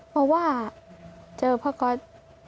พบว่าเจอพระก็อด